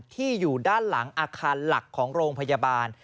อยู่ด้านหลังอาคารหลักของโรงพยาบาล